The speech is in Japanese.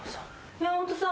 山本さん。